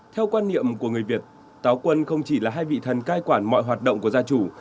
theo quan niệm của người việt táo quân không chỉ là hai vị thần cai quản mọi hoạt động của gia chủ